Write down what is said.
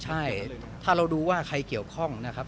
ใช่ถ้าเราดูว่าใครเกี่ยวข้องนะครับ